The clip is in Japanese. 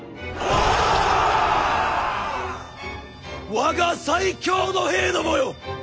我が最強の兵どもよ！